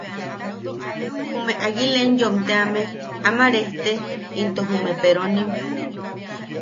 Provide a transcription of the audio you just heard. Jume Aguilenyom teame ama rejte into jume peronim.